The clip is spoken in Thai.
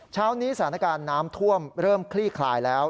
เช้านี้สถานการณ์น้ำท่วมเริ่มคลี่คลายแล้ว